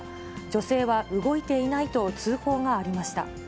女性は動いていないと通報がありました。